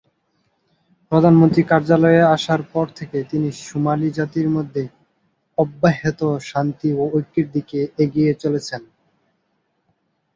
প্রধানমন্ত্রী কার্যালয়ে আসার পর থেকে তিনি সোমালি জাতির মধ্যে অব্যাহত শান্তি ও ঐক্যের দিকে এগিয়ে চলেছেন।